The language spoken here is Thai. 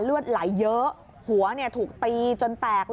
เลือดไหลเยอะหัวเนี่ยถูกตีจนแตกเลือด